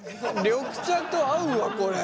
緑茶と合うわこれ。